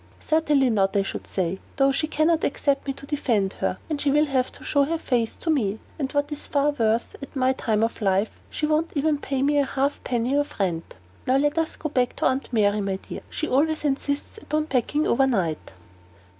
"Certainly not, I should say; though she can not expect me to defend her, when she will not show her face to me; and what is far worse, at my time of life, she won't even pay me a half penny of rent. Now let us go back to Aunt Mary, my dear; she always insists upon packing overnight."